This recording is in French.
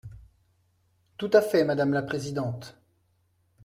Tout à fait, madame la présidente.